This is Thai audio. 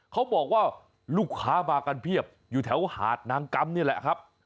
เขาบอกว่าลูกค้ามากันเพียบอยู่แถวหาดนางกำนี่แหละครับ